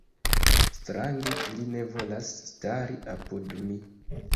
Strange li ne volas stari apud mi.